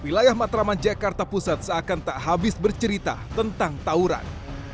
wilayah matraman jakarta pusat seakan tak habis bercerita tentang tawuran